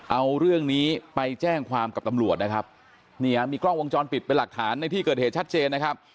เอาเรื่องนี้ไปแจ้งความกับตำรวจนะครับนี่ฮะมีกล้องวงจรปิดเป็นหลักฐานในที่เกิดเหตุชัดเจนนะครับ